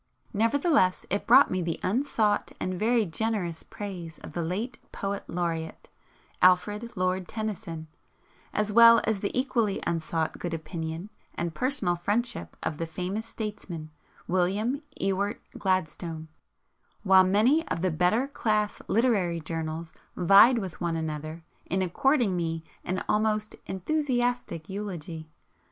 Nevertheless it brought me the unsought and very generous praise of the late Poet Laureate, Alfred Lord Tennyson, as well as the equally unsought good opinion and personal friendship of the famous statesman, William Ewart Gladstone, while many of the better class literary journals vied with one another in according me an almost enthusiastic eulogy.